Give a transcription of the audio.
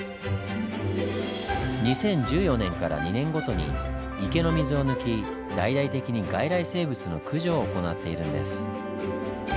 ２０１４年から２年ごとに池の水を抜き大々的に外来生物の駆除を行っているんです。